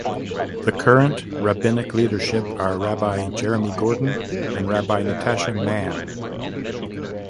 The current rabbinic leadership are Rabbi Jeremy Gordon and Rabbi Natasha Mann.